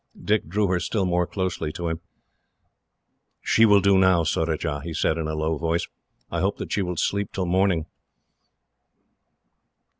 Dick drew her still more closely to him. "She will do now, Surajah," he said, in a low voice. "I hope that she will sleep till morning."